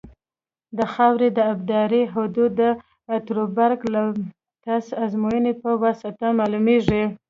د خاورې د ابدارۍ حدود د اتربرګ لمتس ازموینې په واسطه معلومیږي